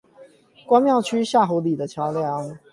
關廟區下湖里的橋梁